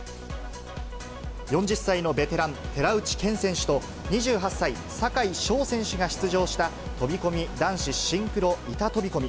４０歳のベテラン、寺内健選手と、２８歳、坂井丞選手が出場した飛び込み男子シンクロ板飛び込み。